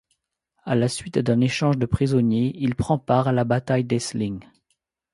À la suite d'un échange de prisonniers, il prend part à la bataille d'Essling.